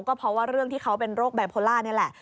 ก็เพราะว่าเรื่องที่เขาเป็นโรคไบโพล่านี่แหละ